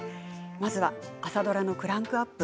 まずは朝ドラのクランクアップ